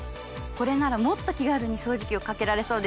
これならもっと気軽に掃除機をかけられそうですね。